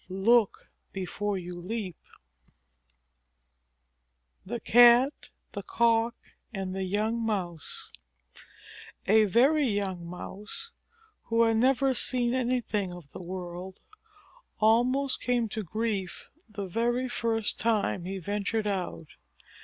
Look before you leap. THE CAT, THE COCK, AND THE YOUNG MOUSE A very young Mouse, who had never seen anything of the world, almost came to grief the very first time he ventured out.